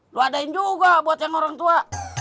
lo adain juga buat yang orang tua